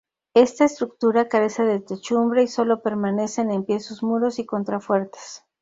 Esta estructura carece de techumbre y solo permanecen en pie sus muros y contrafuertes.